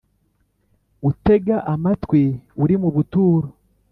utega amatwi uri mu buturo